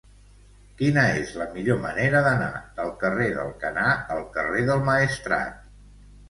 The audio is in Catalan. Quina és la millor manera d'anar del carrer d'Alcanar al carrer del Maestrat?